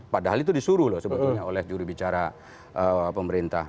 padahal itu disuruh oleh juri bicara pemerintah